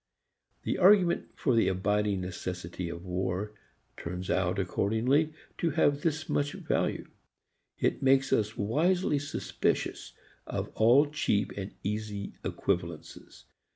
The argument for the abiding necessity of war turns out, accordingly, to have this much value. It makes us wisely suspicious of all cheap and easy equivalencies.